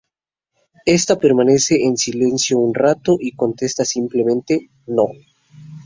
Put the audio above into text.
Éste permanece en silencio un rato y contesta simplemente "no".